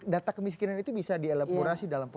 data kemiskinan itu bisa dielaborasi dalam politik